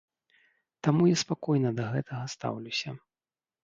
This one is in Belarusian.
Таму я спакойна да гэтага стаўлюся.